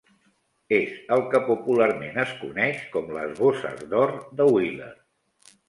És el que popularment es coneix com les "bosses d'or de Wheeler".